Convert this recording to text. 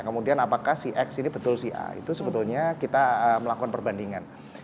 kemudian apakah si x ini betul si a itu sebetulnya kita melakukan perbandingan